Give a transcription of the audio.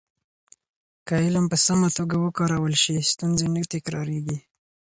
که علم په سمه توګه وکارول شي، ستونزې نه تکرارېږي.